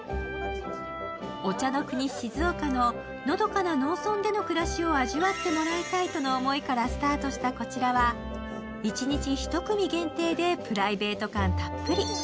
お茶の国・静岡の、のどかな農村での暮らしを味わってもらいたいとの思いからスタートしたこちらは一日１組限定でプライベート感たっぷり。